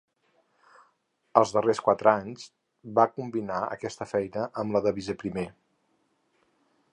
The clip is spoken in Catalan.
Els darrers quatre anys va combinar aquesta feina amb la de Viceprimer.